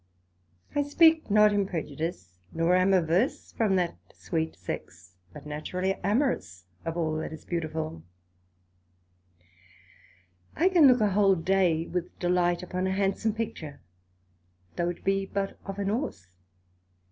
I speak not in prejudice, nor am averse from that sweet Sex, but naturally amorous of all that is beautiful; I can look a whole day with delight upon a handsome Picture, though it be but of an Horse.